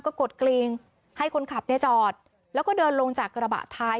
ก็กดกลิงให้คนขับเนี่ยจอดแล้วก็เดินลงจากกระบะท้าย